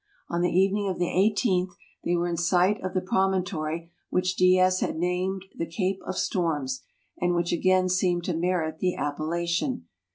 On the evening of the 18th, they were in sight of the promontory which Diaz had named the Cape of Storms, and which again seemed to merit the appellation.